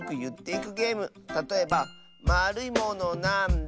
たとえば「まるいものなんだ？」